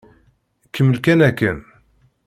Kemmel kan akken.